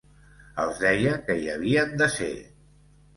Els deia que hi havien de ser.